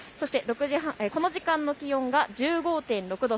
この時間の気温は１５．６度。